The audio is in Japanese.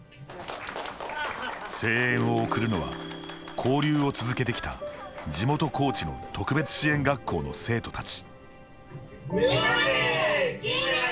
声援を送るのは交流を続けてきた地元・高知の特別支援学校の生徒たち。